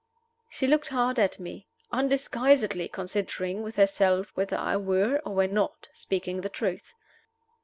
She looked hard at me, undisguisedly considering with herself whether I were or were not speaking the truth.